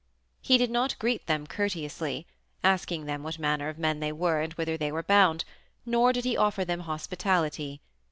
He did not greet them courteously, asking them what manner of men they were and whither they were bound, nor did he offer them hospitality.